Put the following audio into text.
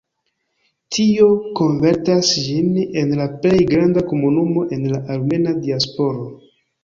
Tio konvertas ĝin en la plej granda komunumo en la armena diasporo.